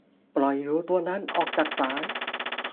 ปล่อยหนูตัวนั้นออกจากศาล